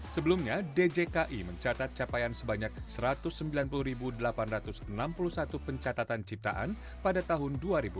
sebelumnya djki mencatat capaian sebanyak satu ratus sembilan puluh delapan ratus enam puluh satu pencatatan ciptaan pada tahun dua ribu dua puluh